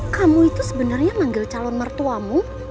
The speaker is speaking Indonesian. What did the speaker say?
kamu itu sebenarnya manggil calon mertuamu